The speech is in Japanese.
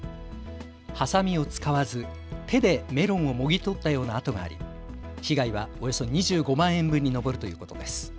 はさみを使わず手でメロンをもぎ取ったような跡があり被害はおよそ２５万円分に上るということです。